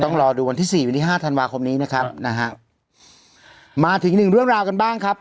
ต้องรอดูวันที่สี่วันที่ห้าธันวาคมนี้นะครับนะฮะมาถึงหนึ่งเรื่องราวกันบ้างครับ